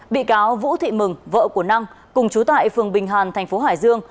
bị cáo vũ thị mừng vợ của năng cùng trú tại phường bình hàn thành phố hải dương